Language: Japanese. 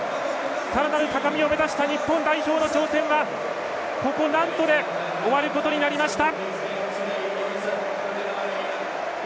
さらなる高みを目指した日本代表の挑戦はここ、ナントで終わることになりました。